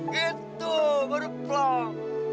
gitu baru pelang